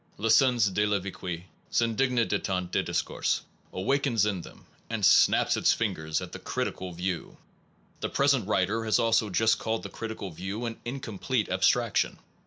Le sens de la vie qui s indigne de tant de discours, awakens in them and snaps its fingers at the critical view. The present writer has also just called the critical view an incomplete abstraction.